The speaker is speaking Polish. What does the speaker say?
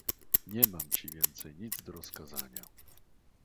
"Nie mam ci więcej nic do rozkazania."